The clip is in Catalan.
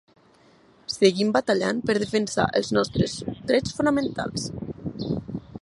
Seguim batallant per defensar els nostres drets fonamentals.